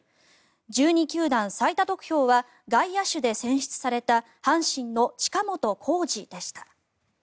１２球団最多得票は外野手で選出された阪神の近本光司でした。